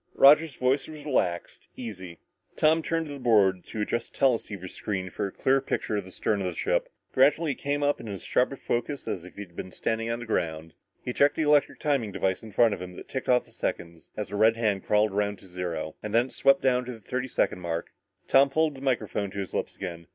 Roger's voice was relaxed, easy. Tom turned to the board to adjust the teleceiver screen for a clear picture of the stern of the ship. Gradually it came up in as sharp detail as if he had been standing on the ground. He checked the electric timing device in front of him that ticked off the seconds, as a red hand crawled around to zero, and when it swept down to the thirty second mark, Tom pulled the microphone to his lips again.